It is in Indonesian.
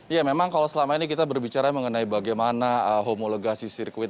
ya memang kalau selama ini kita berbicara mengenai bagaimana homolegasi sirkuit